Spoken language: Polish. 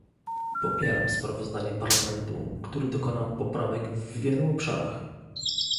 Popieram sprawozdanie Parlamentu, który dokonał poprawek w wielu obszarach